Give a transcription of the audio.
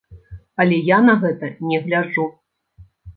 Але я на гэта не гляджу.